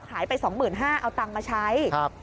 ขายไป๒๕๐๐เอาตังค์มาใช้